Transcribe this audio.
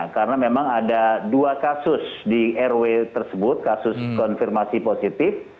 karena memang ada dua kasus di rw tersebut kasus konfirmasi positif